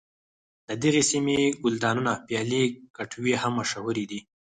د دغې سیمې ګلدانونه پیالې کټوۍ هم مشهور دي.